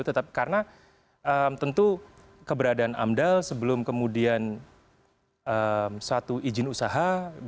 tentu keberadaan amdal sebelum kemudian satu izin usaha